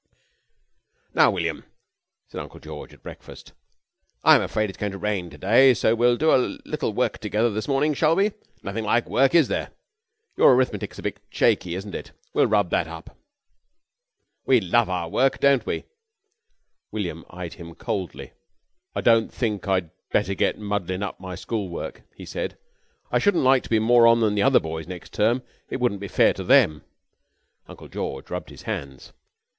"Now, William," said Uncle George at breakfast, "I'm afraid it's going to rain to day, so we'll do a little work together this morning, shall we? Nothing like work, is there? Your Arithmetic's a bit shaky, isn't it? We'll rub that up. We love our work, don't we?" William eyed him coldly. "I don't think I'd better get muddlin' up my school work," he said. "I shouldn't like to be more on than the other boys next term. It wouldn't be fair to them." Uncle George rubbed his hands.